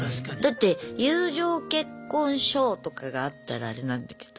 だって友情結婚証とかがあったらアレなんだけど。